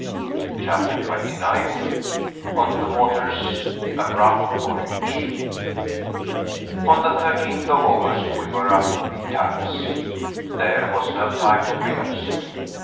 CHAPTER 29 ON THE WATERS A RAFT VOYAGE On the thirteenth of August we were up betimes. There was no time to be lost.